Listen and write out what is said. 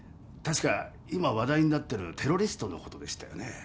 確か今話題になってるテロリストのことでしたよね？